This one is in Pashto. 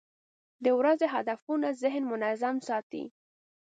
د ورځې هدفونه ذهن منظم ساتي.